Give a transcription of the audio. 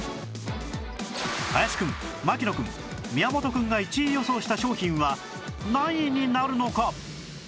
林くん槙野くん宮本くんが１位予想した商品は何位になるのか？